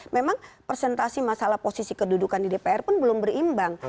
memang presentasi masalah posisi kedudukan di dpr pun belum berimbang